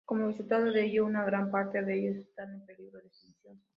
Como resultado de ello, una gran parte de ellos están en peligro de extinción.